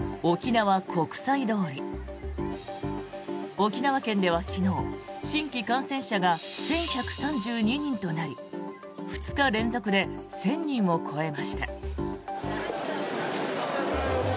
沖縄県では昨日、新規感染者が１１３２人となり２日連続で１０００人を超えました。